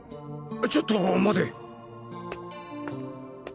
ちょっと待て。